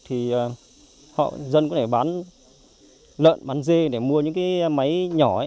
thì dân có thể bán lợn bán dê để mua những máy nhỏ